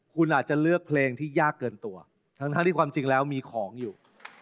คุณอาจจะเลือกเพลงที่ยากเกินตัวทั้งที่ความจริงแล้วมีของอยู่